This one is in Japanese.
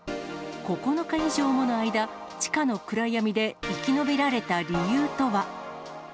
９日以上もの間、地下の暗闇で生き延びられた理由とは。